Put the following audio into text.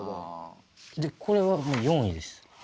これはもう４位です。